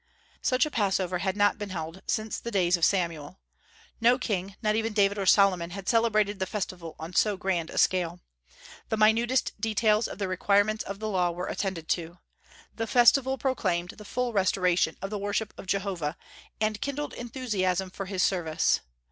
Such a Passover had not been held since the days of Samuel. No king, not even David or Solomon, had celebrated the festival on so grand a scale. The minutest details of the requirements of the Law were attended to. The festival proclaimed the full restoration of the worship of Jehovah, and kindled enthusiasm for his service.